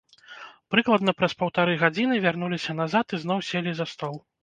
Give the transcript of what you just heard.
Прыкладна праз паўтары гадзіны вярнуліся назад і зноў селі за стол.